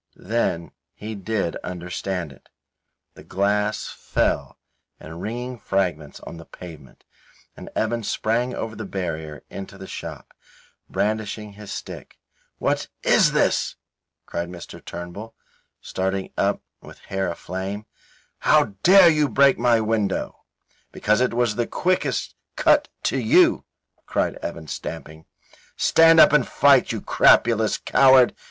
Then he did understand it. The glass fell in ringing fragments on to the pavement, and Evan sprang over the barrier into the shop, brandishing his stick. "What is this?" cried little Mr. Turnbull, starting up with hair aflame. "How dare you break my window?" "Because it was the quickest cut to you," cried Evan, stamping. "Stand up and fight, you crapulous coward.